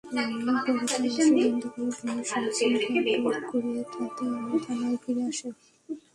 পরে তল্লাশি বন্ধ করে পুলিশ ইয়াছিনকে আটক করে থানায় ফিরে আসে।